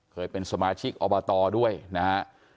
เคยเป็นสมาชิกอบตด้วยนะฮะ